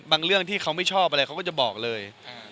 เรื่องที่เขาไม่ชอบอะไรเขาก็จะบอกเลย